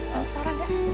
tante sarah gak